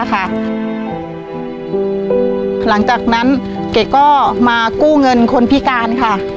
ตรงนั้นเก๋ก็มากู้เงินคนพิการ